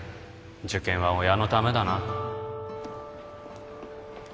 受験は親のためだな